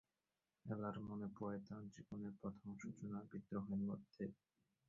এলার মনে পড়ে তার জীবনের প্রথম সূচনা বিদ্রোহের মধ্যে।